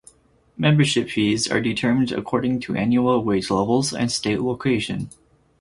Membership fees are determined according to annual wage levels and state location.